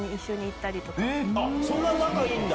そんな仲いいんだ！